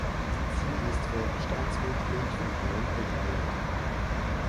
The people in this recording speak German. Sie ist Vorstandsmitglied von Olympic Aid.